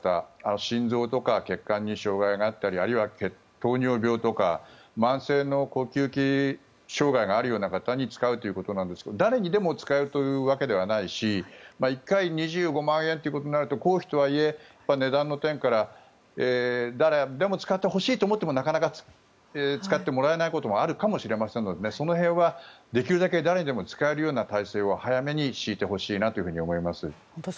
心臓とか血管に障害があったりあるいは糖尿病とか慢性の呼吸器障害があるような方に使うということなんですが誰にでも使えるというわけではないし１回２５万円ということになると公費とはいえ値段の点から誰でも使ってほしいと思ってもなかなか使ってもらえないこともあるかもしれませんのでその辺はできるだけ誰にでも使えるような体制を早めに敷いてほしいなと思います。